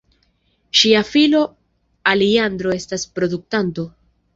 Ŝia filo Alejandro estas produktanto.